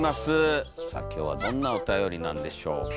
さあ今日はどんなおたよりなんでしょうか？